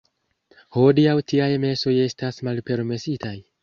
Hodiaŭ tiaj mesoj estas malpermesitaj.